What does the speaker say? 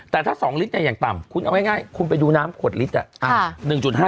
แต่ถ้า๒ลิตรอย่างต่ำคุณเอาง่ายคุณไปดูน้ำขวดลิตร